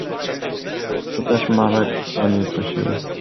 Toteż Marek dzwonił co sił.